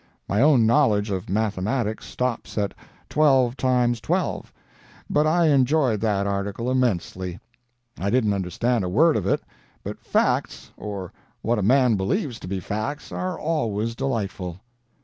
"My own knowledge of mathematics stops at 'twelve times twelve,' but I enjoyed that article immensely. I didn't understand a word of it: but facts, or what a man believes to be facts, are always delightful.